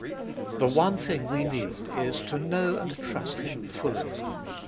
The one thing we need is, to know and trust Him fully.